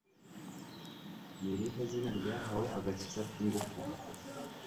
Ni irihe zina ryahawe Akazi k’ingufu